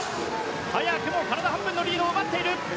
早くも体半分のリードを奪っている。